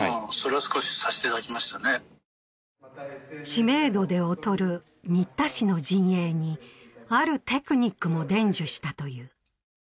知名度で劣る新田氏の陣営にあるテクニックも伝授したという。